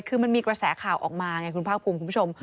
คือมันมีกระแสข่าวออกมาไงคุณภาคภูมิคุณผู้ชม